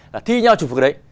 là thi nhau chụp cái đấy